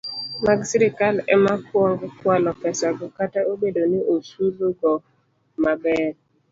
mag sirkal ema kwongo kwalo pesago, kata obedo ni osurogi maber